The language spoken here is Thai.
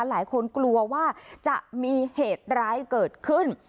หลายคนกลัวว่าจะมีเหตุร้ายเกิดขึ้น